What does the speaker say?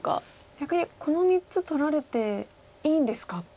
逆にこの３つ取られていいんですかっていう。